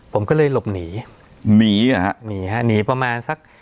ผมก็เลยหลบหนีหนีเหรอฮะหนีฮะหนีประมาณสัก